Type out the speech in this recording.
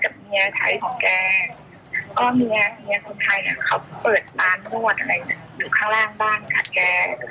เมียไทยของแกก็เมียเมียคนไทยอ่ะเขาเปิดปานทวดอะไรอยู่ข้างล่างบ้านค่ะแก